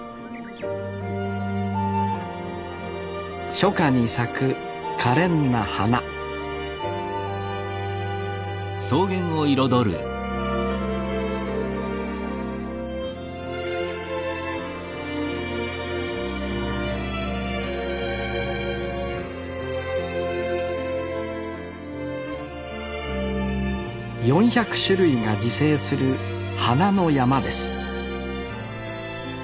初夏に咲くかれんな花４００種類が自生する花の山です